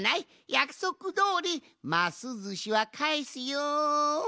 やくそくどおりますずしはかえすよん。